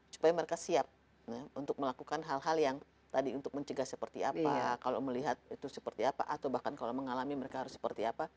supaya mereka siap untuk melakukan hal hal yang tadi untuk mencegah seperti apa kalau melihat itu seperti apa atau bahkan kalau mengalami mereka harus seperti apa